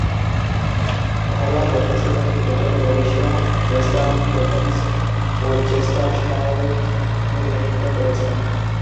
ঘরোয়া প্রথম-শ্রেণীর ক্রিকেটে রোডেশিয়া, ওয়েস্টার্ন প্রভিন্স, ওরচেস্টারশায়ারের প্রতিনিধিত্ব করেছেন।